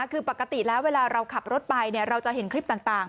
คือปกติแล้วเวลาเราขับรถไปเราจะเห็นคลิปต่าง